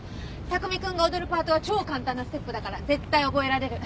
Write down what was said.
巧君が踊るパートは超簡単なステップだから絶対覚えられる。